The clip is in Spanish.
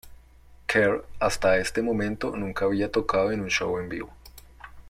Kerr hasta este momento, nunca había tocado en un show en vivo.